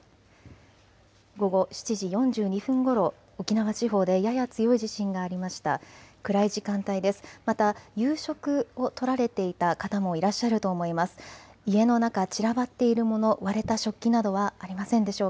午後７時４２分ごろ、沖縄地方でやや強い地震がありました。